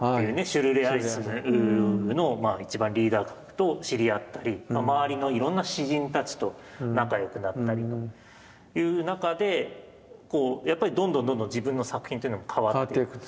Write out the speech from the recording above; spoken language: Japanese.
シュルレアリスムの一番リーダー格と知り合ったり周りのいろんな詩人たちと仲良くなったりっていう中でやっぱりどんどんどんどん自分の作品というのも変わっていく。